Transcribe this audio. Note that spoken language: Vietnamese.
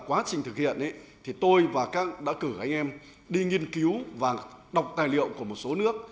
quá trình thực hiện thì tôi và các đã cử anh em đi nghiên cứu và đọc tài liệu của một số nước